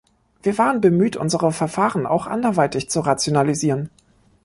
Wir waren bemüht, unsere Verfahren auch anderweitig zu rationalisieren.